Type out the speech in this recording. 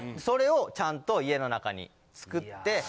それをちゃんと家の中に作って。